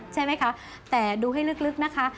ใช่ไหมคะแต่ดูให้ลึกนะคะ